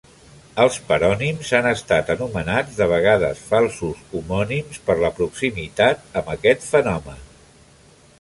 Els parònims han estat anomenats de vegades falsos homònims, per la proximitat amb aquest fenomen.